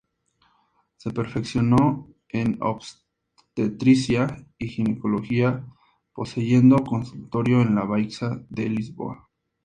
Se perfeccionó en obstetricia y ginecología, poseyendo consultorio en la Baixa de Lisboa.